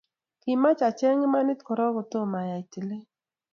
Kimach acheng imanit korok kotomo ayai tileet